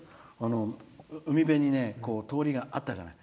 海辺に通りがあったじゃない。